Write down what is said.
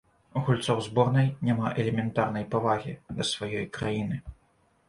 У гульцоў зборнай няма элементарнай павагі да сваёй краіны.